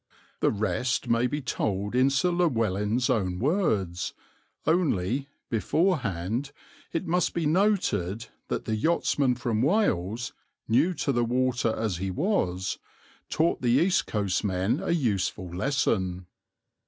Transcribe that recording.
The rest may be told in Sir Llewelyn's own words, only, beforehand, it must be noted that the yachtsman from Wales, new to the water as he was, taught the east coast men a useful lesson.